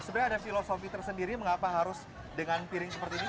sebenarnya ada filosofi tersendiri mengapa harus dengan piring seperti ini